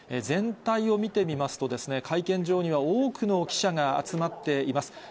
全体を見てみますとですね、会見場には多くの記者が集まっています。